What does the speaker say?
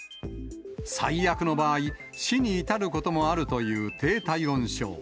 最悪の場合、死に至ることもあるという低体温症。